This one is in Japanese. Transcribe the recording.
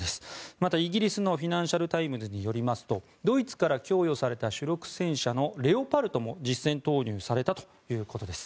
また、イギリスのフィナンシャル・タイムズによりますとドイツから供与された主力戦車のレオパルトも実戦投入されたということです。